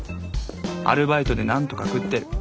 アルバイトで何とか食ってる。